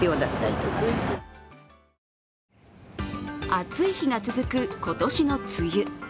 暑い日が続く今年の梅雨。